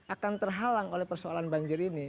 akan terhalang oleh persoalan banjir ini